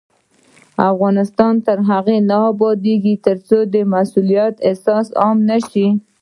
افغانستان تر هغو نه ابادیږي، ترڅو د مسؤلیت احساس عام نشي.